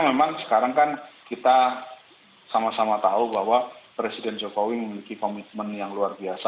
memang sekarang kan kita sama sama tahu bahwa presiden jokowi memiliki komitmen yang luar biasa